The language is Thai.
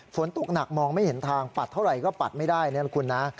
ฝนตกหนักมองไม่เห็นทางปัดเท่าไหร่ก็ปัดไม่ได้นะคุณนะ